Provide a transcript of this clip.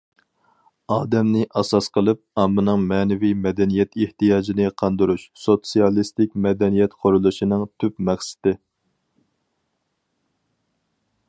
ئادەمنى ئاساس قىلىپ، ئاممىنىڭ مەنىۋى مەدەنىيەت ئېھتىياجىنى قاندۇرۇش سوتسىيالىستىك مەدەنىيەت قۇرۇلۇشىنىڭ تۈپ مەقسىتى.